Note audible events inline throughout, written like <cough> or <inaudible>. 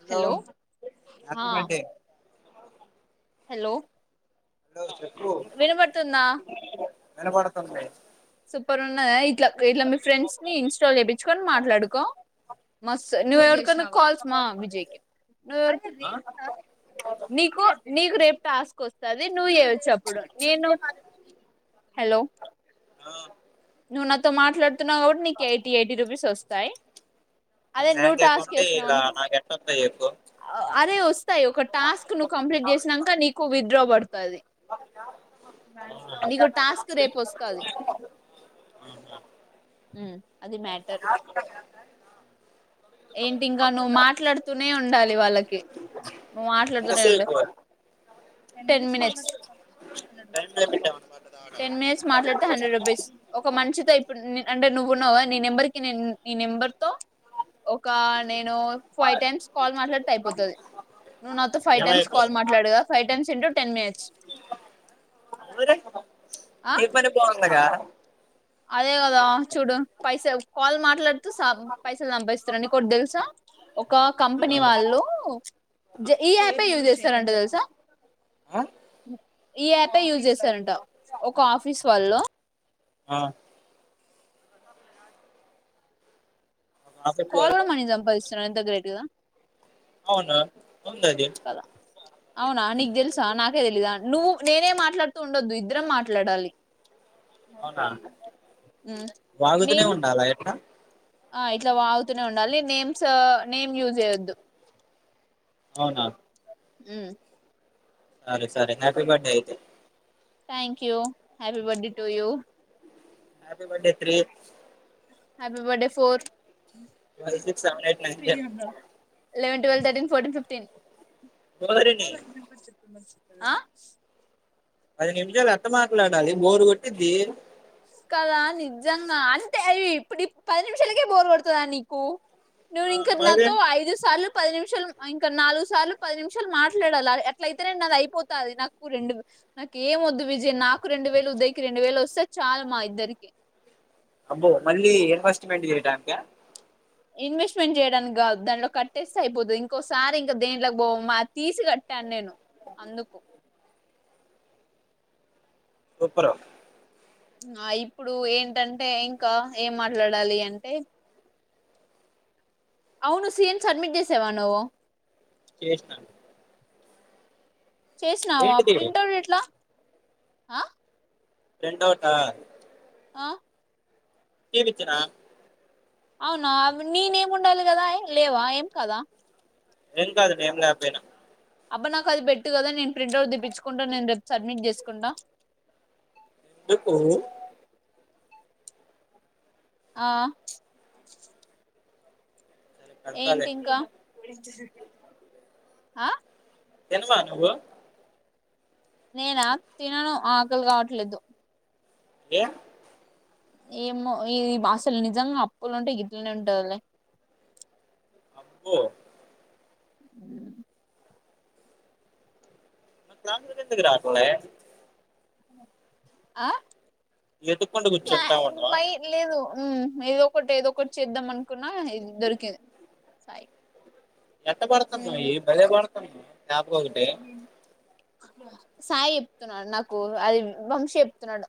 Hello ఆ అగండంటే hello hello చెప్పు ఉ వినబడుతుందా వినపడుతుంది సూపర్ ఉన్నదా ఇట్లా ఇట్లా మీ ఫ్రెండ్స్ ని ఇన్స్టాల్ చేపించుకుని మాట్లాడుకో మస్ నువేవరికన్నా కాల్స్ మా విజయ్ కే నువేరిక్ ఆ నీకు నీకు రేప్ టాస్క్ వస్తది నువ్వు చేయచ్చప్పుడు నేను న అ... హలో ఆ నువ్వు నాతో మాట్లాడుతున్నావు కాబట్టి నీకు ఎయిటీ ఎయిటీ రూపీస్ వస్తాయి నీ అదే నువ్వు బ్యాంక్ టాస్క్ అకౌంట్ ఇలా చేసినావునుకో...... నాకు ఎట్ట వత్తయి చెప్పు అదే వస్ తయ్ ఒక టాస్క్ నువ్వు కంప్లీట్ చేసినంక నీకు విత్డ్రా బడుతది నీకు టాస్క్ రేపు వస్తాది మ్మ్ <unintelligible> ఏంటి ఇంకా నువ్వు మాట్లాడుతూనే ఉండాలి వాళ్ళకి మాట్లాడుతునే ఉండు ఎంతసేపు టెన్ మినెట్స్ టైం లిమిట్ ఏమన్నా పడుతుందా టెన్ మినెట్స్ మాట్లాడితే హండ్రెడ్ రూపీస్ ఒక మనిషతో ఇప్పుడు నే-న్. అ అటే నువ్వున్నావా నీ నెంబర్కి నే-న్ -నీ నెంబర్ తో ఒక ఆ నేను ఫైవ్ టైమ్స్ కాల్ మాట్లాడితే అయిపోతది నువ్వు నాతో ఫైవ్ టైమ్స్ కాల్ మాట్లాడు కా ఫైవ్ టైమ్స్ ఏంటో అ ఆ ఇప్పుని పోవగా అదే కదా చూడు పైసా కాల్ మాట్లాడ పైసలు సంభస్తారండి కొ తెలుసా ఒక కంపెనీ వాళ్ళు ఈ ప ఉద తెలుసా ఆ చేార ఒక ఆఫీస్ వల్లో హ ఆఫీస్ కోల్లో వరకు మనె సంపాదిస్తున్నా ఎంత గ్రేట్ కదా అవున కద అవునా నీగ్ తెల్సా నాకైతెలిదా నువ్ నేనే మాట్లాడుతూ ఉండొద్దు ఇద్దరం మాట్లాడాలి అవునా ఉమ్ వాగుతూనే నేన్ ఉండాలా ఎట్లా ఆ ఇట్లా వాగుతూనే ఉండాలి నేమ్స్ నేమ్ యూజ్ చేయొద్దు అవున ఉమ్ సరె సరే హ్యాపీ బార్డే అయితే thank you happy birthday to you happy birthday three happy birthday four six seven eight nine కె eleven twelve thirteen fourteen fifteen ఓరిని అ పది నిమిషాలు ఎంత మాట్లాడాలి బోరు కొట్టిది కదా నిజ్జంగా అంటే అవి ఇప్పుడు పది నిమిషాలకే బోర్ కొడుతుందా నీకు నువ్ ఆ ఇంక మరి నాతో ఐదు సాల్లు పది నిమిషాలు ఇంకా నాలుగు సార్లు పది నిమిషాలు మాట్లాడాలి ఎట్లయితేనే అది అయిపోతాది నాకు రెండు నాకు ఏం వద్దు విజయ్ నాకు రెండు వేలు ఉదయ్ కి రెండు వేలు వస్తే చాలు మా ఇద్దరికి అబ్బో మళ్ళీ ఇన్ వెస్ట్ చేయడానికా ఇన్వెస్ట్మెంట్ చేయడానికి కాదు దాంట్లో కట్టేస్తే అయిపోతుంది ఇంకోసారి ఇంకా దేంట్లోకి పోయు అది తీసి క పట్టాన్ నేను అందుకు సూప్పరు ఆ ఇప్పుడు ఏంటంటే ఇంక ఏం మాట్లాడాలి అంటే అవును సీన్ సబ్మిట్ చేసేవా నువో చేసినా చేసినావ ప్రింట వట్లా అ ప్రింటవుటా ఆ ఏమిచ్చినా అవునా నీనే ముండాలి కదా లేవా ఏం కదా ఎం కాదు నేమ్ కాపోయినా అబ్బ నాకు అది పెట్టు కదా నేను ప్రింట్ అవుట్ దీపించుకుంటాను నేను రేపు సబ్మిట్ చేసుకుంటాను ఎప్పుడూ ఆ సరే ఏంటి పెడతాలే ఇంక ఆ ఎందుకా నువ్వు నేనా తినను ఆకలి కాట్లేదు ఏయ్ ఏమో ఈ అసలు నిజంగా అప్పులు ఉంటే గిట్లనే ఉంటదిలే అబ్బో అ <inaudible> నా కిందికి ఎందుకు రాట్లే. ఆ ఎతుక్కుంటా క్లా కూర్చుంటా ఉన్నావ మై లేదు ఉమ్ ఏదో ఒకటి ఏదో ఒకటి చేద్దాం అనుకున్నా ఇది దొరికింది సాయి. ఎట్ట ఉమ్. పడుతున్నాయి భలే పడుతున్నా తాపకొకటి సాయి చెప్తున్నాడు నాకు అది వంశీ చెప్తున్నాడు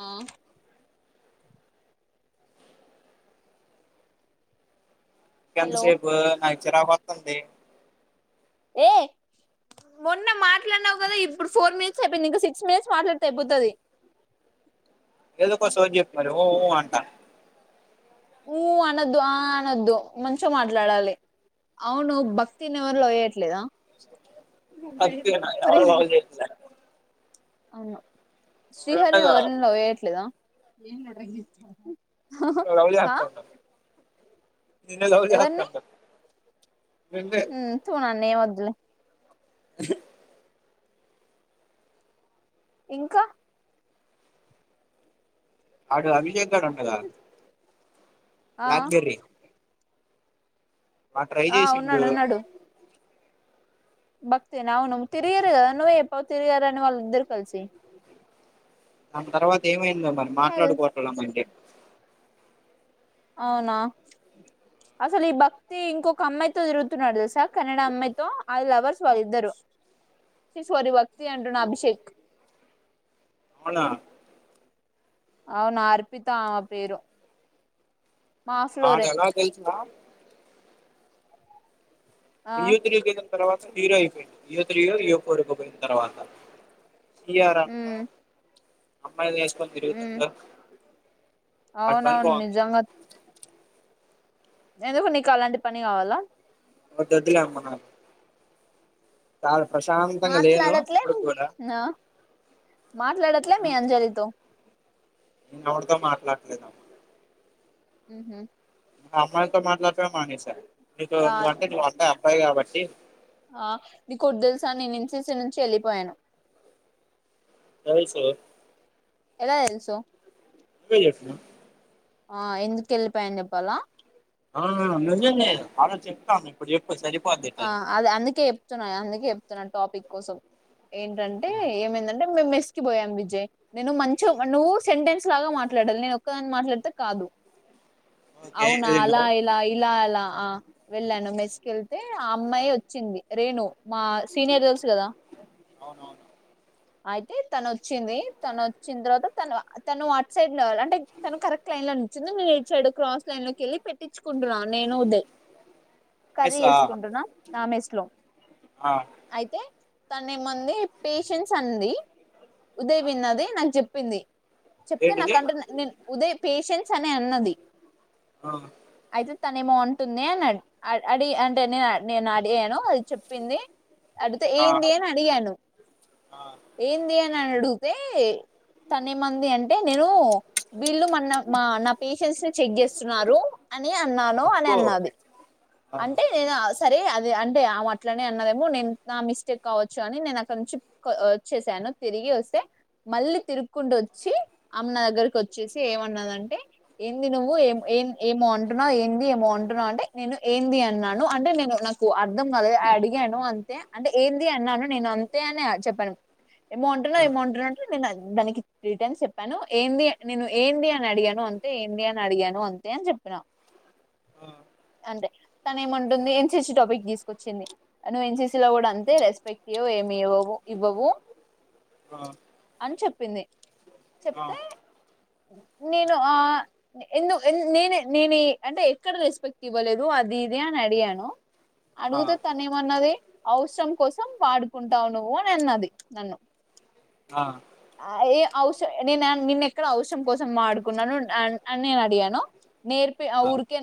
ఆ హలో ఇంకేంతసేపు నాకు చిరాకత్తుంది ఏ మొన్న మాట్లాడినావు కదా ఇప్పుడు ఫోర్ మినిట్స్ అయిపోయింది ఇంక సిక్స్ మినిట్స్ మాట్లాడితే అయిపోతది <inaudible> ఏదో ఒక్క సోది చెప్పు మరి ఊ ఊ అంటా ఊ అనద్దు ఆ అనొద్దు మంచిగా మాట్లాడాలి అవును భక్తి నెవర్ లవ్ చెయట్లేదా అంతేనా మరి. ఎవరు లవ్ చేయట్లే శ్రీహరిని వాడుండగా ఎవరైనా లవ్ చెయట్లేదా నిన్ను హా నిన్నె లవ్ చేస్తాండు ఉమ్ తూ నన్నేమద్దులే. <inaudible> ఇంకా అడు అభిషేక్ గాడు ఉండగా ఆ బ్లాక్ జెర్రీ ఆ చేసిండు ఉన్నాడు ఉన్నాడు. భక్తి న అవును తిరిగిరు గాద నువ్వె చెప్పావు తిరిగారని వాళ్ళిద్దరు కలిసి. దాన్ తర్వాత ఏమైందో మరి హెల్ మాట్లాడుకోవట్లే మంటే అవునా అసలు ఈ భక్తి ఇంకొక అమ్మాయితో తిరుగుతున్నాడు తెలుసా కన్నడ అమ్మాయితో అల్ లవర్స్ వాళ్ళిద్దరు సి సోరి భక్తి అంటుంనా అభిషేక్ అవునా అవున అర్పిత ఆమె పేరు మా ఫ్లోరే ఆడెల తెల్స్నా ఆ ఇయో త్రీకి వెళ్ళిన తర్వాత హీరో అయిపోయిండు ఇయో త్రీ ఇయో ఫోర్కి పోయిన తర్వాత హియరంగా ఉమ్ అమ్మాయిల్ని ఎసుకొని ఉమ్ తిరుగుతుంట అవునవును నిజంగా ఎందుకు నీకు అలాంటి పని కావాలా అ వద్దుద్దు లే అమ్మ నాకు చాలా ప్రశాంతంగా లేను మాట్లాడట్లే ఇప్పుడుకి కూడా ఆ మాట్లాడట్లే మీ అంజలితో నేను ఎవరితో మాట్లాడట్లేను ఉహు నా అమ్మాయితో మాట్లాడటమే మానేసా నీతొ ఆ నువ్వు అంటె అబ్బాయి కాబట్టి ఆ నీ కోటి తెలుసా కొద్ది తెలుసా ఎన్సిసి నుంచి వెళ్లిపోయాను. ఎవల్సే ఎలా తెలుసు ఇప్పుడే చెసిన ఆ ఎందుకు వెళ్ళిపోయాను చెప్పాలా ఆ నిజమే వాడ చెప్తాను ఇప్పుడు చెప్ ఆ అది అందుకే చెప్తున్నాయి అందుకే చెప్తున్నాయి టాపిక్ కోసం. ఏంటంటే ఏమైందంటే మే మెస్ స్కి పోయాం విజయ్ నేను మంచిగా నువ్వు సెంటెన్స్ లాగా మాట్లాడాలి నేను ఒక్కదని మాట్లాడితే కాదు. ఓకే అవునా ఇది అలా నౌన్ ఇలా ఇలా అలా ఆ వెళ్ళాను మెస్కిళ్ తే ఆ అమ్మాయి వచ్చింది రేణు మా సీనియర్ తెల్సు కదా అవునవును అయితే తనొచ్చింది తను వచ్చిన తర్వాత తను తను అట్ సైడ్ అంటే తను కరెక్ట్ లైన్ లో ఉ చింది నేను ఇట్ సైడ్ క్రాస్ లైన్ లోకి వెళ్ళి పెట్టించుకుంటున్నా నేను ఉదయ్ కర్రీ మెస్సా వేసుకుంటున్నా మా మేస్లో ఆ అయితే తనే మంది పేషెన్స్ అనింది ఉదయ్ విన్నది నాకు చెప్పింది చెప్తే నాకు ఏంటిది అంట నేను ఉదయ్ పేషెన్స్ చానా అన్నది ఆ అయితే తనే ఏమో అంటుంది అని అ అడి అంటే నే నేను అడిగాను అది చెప్పింది అడితే ఆ ఏంది అని అడిగాను ఆ ఏంది అనిని అడిగితే తనే మంది అంటే నేను వీళ్ళు మన మా నా పేషన్స్ ని చెక్ చేస్తున్నారు అని అన్నాను అని అబ్బో అన్నది ఆ అంటే నేను సరే అది అంటే ఆమె అట్లనే అన్నదేమో నేను నా మిస్టేక్ కావచ్చు అని నేను అక్కడ నుంచి వచ్చేశాను నేను తిరిగి వస్తే మళ్ళీ తిరుక్కుంటూ వచ్చి ఆమె నా దగ్గరకి వచ్చేసి ఏమన్నాదంటే ఏంది నువ్వు ఏ ఏం ఏమో అంటున్నావ్ ఏంది ఏమో అంటున్నావ్ అంటే నేను ఏంది అన్నాను అంటే నేను నాకు అర్థం కద అడిగాను అంతే అంటే ఏంది అన్నాను నేను అంతే ఆ చెప్పాను ఏమో అంటున్నావ్ ఆ ఏమో అంటున్నావ్ అంటే నేను దానికి త్రీ టైమ్స్ చెప్పాను ఏంది నేను ఏంది అని అడిగాను అంతే ఏంది అని అడిగాను అంతే అని చెప్పా ఆ ఆ అంటే తన ఏముంటుంది యన్ సి సి టాపిక్ తీసుకొచ్చింది నువ్వు యన్ సి సి లో కూడా అంతే రెస్పెక్ట్ ఇయవ్ ను ఇయ్యావు ఇవ్వవు ఆ అని చెప్పింది ఆ ఆ చెప్తే నేను ఆ ఎందు నేనే నేను అంటే ఎక్కడ రెస్పెక్ట్ ఇవ్వలేదు అది ఇది అని అడిగాను అడిగితే తను ఏమన్నది అవసరం కోసం వాడుకుంటావు నువ్వు అని అన్నది నన్ను ఆ ఏ అవస నేను నిన్న ఎక్కడ అవసరం కోసం వాడుకున్నావు అని నేను అడిగానా నేర్పి ఆ ఊరికే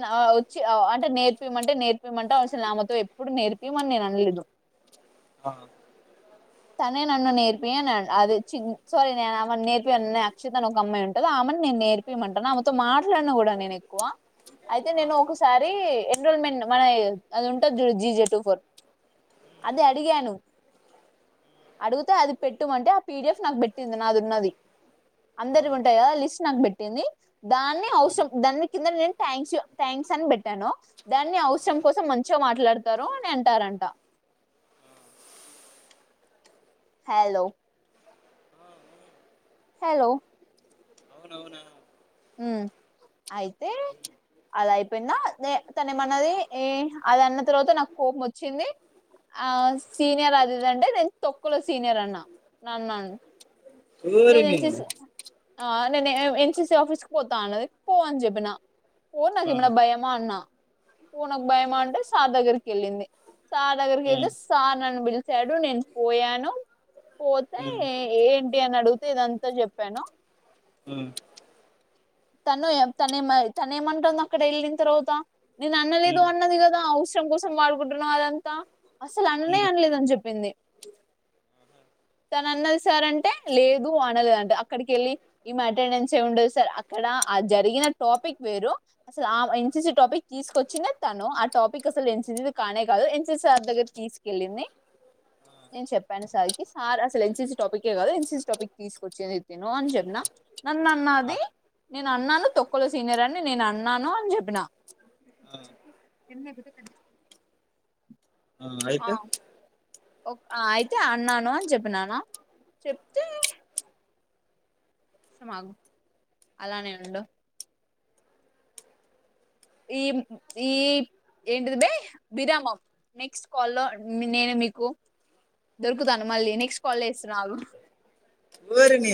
అంటే నేర్పిమంటే నేర్పిమంటే అసలు ఆమెతో ఎప్పుడు నేర్పియమని నేను అనలేదు ఆ తనే నన్ను నేర్పి అన్నది అది చి సారీ నే ఆమె నేర్పిన్ననే అక్షిత అనే అమ్మాయి ఉంటుంది ఆ అరె నేను నేర్పియమంటాను ఆమెతో మాట్లాడినా కూడా నేను ఎక్కువ అయితే నేను ఒకసారి ఎన్రోల్మెంట్ మన అది ఉంటంది చూడు జీ జె టు ఫోర్ అది అడిగాను అడిగితే అది పెట్టుమంటే ఆ పీడిఎఫ్ నాకు పెట్టింది నాదున్నది అందరి ఉంటాయ లిస్ట్ నాకు పెట్టింది దాన్ని ఉమ్, అవసరం దాన్ని కింద నేను థాంక్స్ థ్యాంక్ యూ సైన్ పెట్టాను దాన్ని ఆ అవసరం కోసం మంచిగా మాట్లాడతారు అని అంటారంట హలో ఆ, హలో అవునా హ అయితే అలా అయిపోయిందా తను ఏ నన్ను ఉమ్ అది అన్న తర్వాత నాకు కోపం వచ్చింది ఆ సీనియర్ అది ఇదంటే నేను తొక్కలో సీనియర్ అన్నా నన్ను కోరి నిన్ను ఆమేనే యన్ సి సి ఆఫీస్కు పోతా అన్నది పో అని చెప్పినా పో ఆ నాకేమైనా భయమా అన్నా పో నాకేమైనా భయమా అంటే సార్ దగ్గరికి వెళ్ళింది సార్ దగ్గరికి ఆ ఆ ఆ వెళ్తే సార్ నన్ను పిలిచాడు నేను పోయాను పోతే ఏంటి అని అడిగితే ఇదంతా చెప్పాను ఉమ్ తను తనే మో తనే ఏమంటుందో అక్కడ వెళ్ళిన తర్వాత నేను అనలేదు అనలేదు కదా అవస తన కోసం వాడుకుంటున్నా అదంతా అసలు అన్ననే అనలేదని చెప్పింది తన అన్నది సార్ అంటే లేదు అనలేదు అంటే అక్కడికి వెళ్ళి ఈమె అటెండెన్స్ ఏమి ఉండదు సార్ ఇక్కడ ఆ జరిగిన టాపిక్ వేరు అసలు ఆ ఎన్సిసి టాపిక్ తీసుకొచ్చిన తను ఆ టాపిక్ అసలు ఎన్సిసి కానే కాదు ఎన్సిసి సార్ దగ్గర తీసుకెళ్ళింది నేను చెప్పాను సార్కి సార్ అసలు ఎన్సిసి టాపికే కాదు ఎన్సిసి టాపిక్ తీసుకొచ్చిది తను అని చెప్పిన నన్ను అన్నది నేను అన్నాను తొక్కలు సీనియర్ అని నేను అన్నాను అని చెప్పిన ఆ ఎన్నతే క ఆ ఆయితే అయితే అన్నాను అని చెప్పినను చెప్తే సమాగ అలానే ఉండడు ఈ ఈ ఏంటిది బయ విరామ నెక్స్ట్ కాల్ లో నేను మీకు దొరుకుతాను మళ్ళీ నెక్స్ట్ కాల్ చేస్తున్నారు వరి మీ